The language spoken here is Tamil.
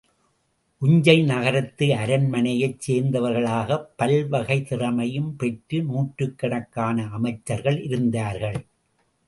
உஞ்சைநகரத்து அரண்மனையைச் சேர்ந்தவர்களாகப் பல்வகைத் திறமையும் பெற்ற நூற்றுக்கணக்கான அமைச்சர்கள் இருந்தார்கள்.